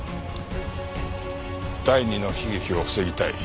第二の悲劇を防ぎたい。